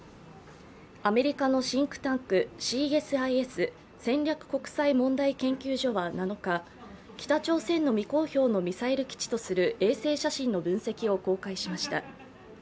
アメリカのシンクタンクＣＳＩＳ＝戦略国際問題研究所は７日、北朝鮮の未公表のミサイル基地とする衛星写真の分析を公開しました。